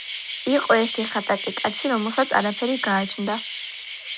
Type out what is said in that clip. იყო ერთი ღატაკი კაცი, რომელსაც არაფერი გააჩნდა.